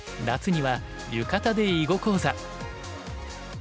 夏には浴衣で囲碁講座。